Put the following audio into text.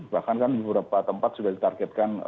bahkan kan di beberapa tempat sudah ditargetkan